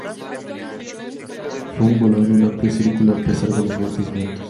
Fung voló en un amplio círculo, a pesar de los fuertes vientos.